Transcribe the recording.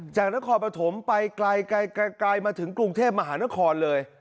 นครปฐมไปไกลมาถึงกรุงเทพมหานครเลย